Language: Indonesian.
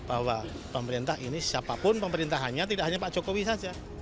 bahwa pemerintah ini siapapun pemerintahannya tidak hanya pak jokowi saja